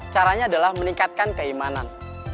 caranya adalah meningkatkan keimanan